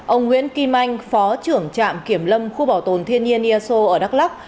ông nguyễn kim anh phó trưởng trạm kiểm lâm khu bảo tồn thiên nhiên iaso ở đắk lắk